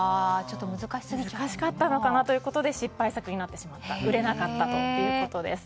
難しかったのかなということで失敗作になってしまって売れなかったということです。